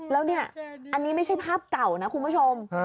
แล้วเนี่ยอันนี้ไม่ใช่ภาพเก่านะคุณผู้ชม